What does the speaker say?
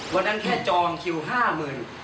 วันนั้นแค่จองคิว๕๐๐๐บาท